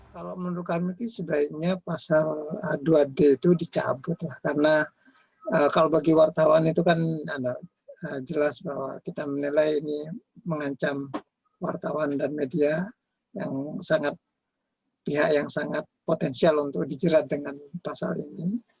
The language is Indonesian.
kalau menurut kami sebaiknya pasal dua d itu dicabut lah karena kalau bagi wartawan itu kan jelas bahwa kita menilai ini mengancam wartawan dan media yang sangat pihak yang sangat potensial untuk dijerat dengan pasal ini